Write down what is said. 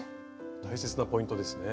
大切なポイントですね。